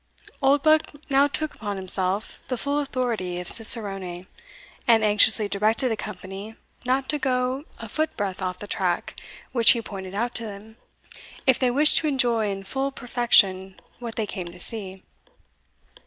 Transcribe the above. Oldbuck now took upon himself the full authority of cicerone, and anxiously directed the company not to go a foot breadth off the track which he pointed out to them, if they wished to enjoy in full perfection what they came to see.